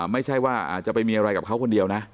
ไม่ใช่ว่าอาจจะไปมีอะไรกับเขาคนเดียวนะ